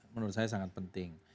menurut saya sangat penting